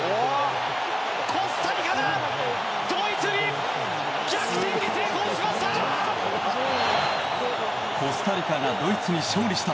コスタリカがドイツに逆転に成功しました！